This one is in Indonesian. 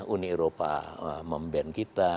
uni eropa mem ban kita